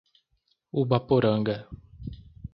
Ubaporanga